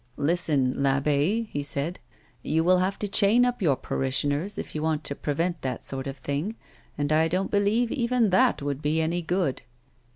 "Listen, I'abbe," he said. "You will have to chain up your parishioners if you want to prevent that sort of thing ; and I don't believe even that would be any good."